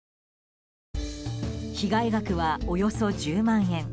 被害額は、およそ１０万円。